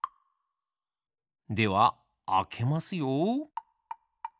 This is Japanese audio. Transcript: ではあけますよ。